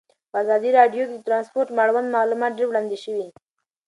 په ازادي راډیو کې د ترانسپورټ اړوند معلومات ډېر وړاندې شوي.